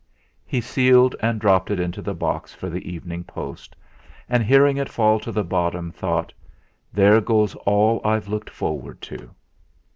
He sealed and dropped it into the box for the evening post, and hearing it fall to the bottom, thought: 'There goes all I've looked forward to!'